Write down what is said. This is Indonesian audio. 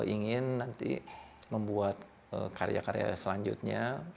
ingin nanti membuat karya karya selanjutnya